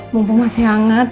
mumpung masih hangat